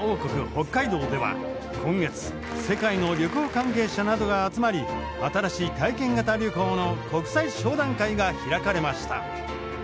北海道では今月世界の旅行関係者などが集まり新しい体験型旅行の国際商談会が開かれました。